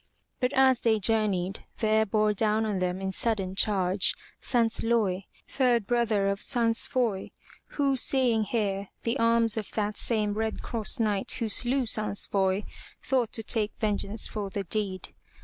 But as they journeyed, there bore down on them in sudden charge, Sansloy, third brother of Sansfoy, who seeing here the arms of that same Red Cross Knight who slew Sansfoy, thought to take vengeance for the deed.